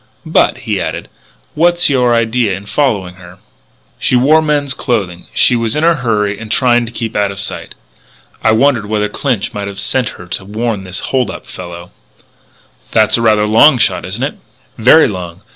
"But," he added, "what's your idea in following her?" "She wore men's clothes; she was in a hurry and trying to keep out of sight. I wondered whether Clinch might have sent her to warn this hold up fellow." "That's rather a long shot, isn't it?" "Very long.